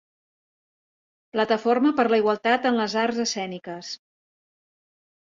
Plataforma per la Igualtat en les Arts Escèniques.